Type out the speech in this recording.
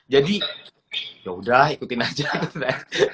jadi yaudah ikutin aja itu glenn